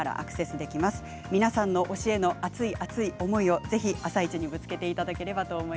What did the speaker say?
皆さんの推しへの熱い熱い思いをぜひ「あさイチ」にぶつけてください。